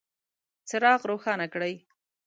څراغ روښانه کړئ